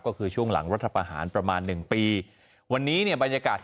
ก็คือช่วงหลังรัฐประหารประมาณหนึ่งปีวันนี้เนี่ยบรรยากาศ